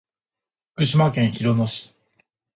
福島県広野町